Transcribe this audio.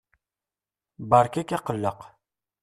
Beṛka-k aqelleq.